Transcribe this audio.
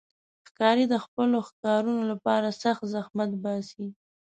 ښکاري د خپلو ښکارونو لپاره سخت زحمت باسي.